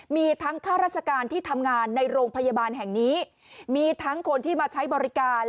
มีทั้งข้าราชการที่ทำงานในโรงพยาบาลแห่งนี้มีทั้งคนที่มาใช้บริการ